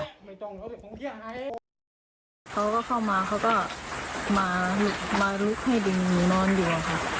เขาก็เข้ามาเขาก็มามาลุกให้ดิงนอนอยู่อ่ะค่ะ